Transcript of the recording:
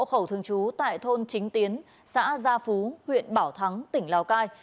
hộ khẩu thương chú tại thôn chính tiến xã gia phú huyện bảo thắng tỉnh lào cai